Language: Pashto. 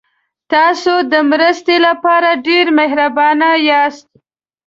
تاسو د مرستې لپاره ډېر مهربانه یاست.